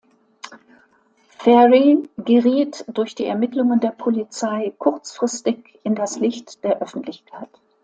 Ferrie geriet durch die Ermittlungen der Polizei kurzfristig in das Licht der Öffentlichkeit.